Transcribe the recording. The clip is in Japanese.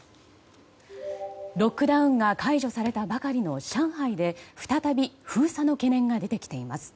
ロックダウンが解除されたばかりの上海で再び封鎖の懸念が出てきています。